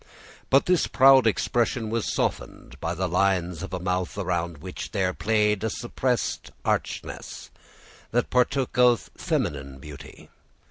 But this proud expression was softened by the lines of a mouth around which there played a suppressed archness, that partook of feminine beauty.